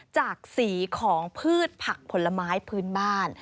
จากสีของพืชผักผลไม้พื้นบ้าน